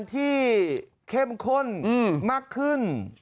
เข้มข้นมากขึ้น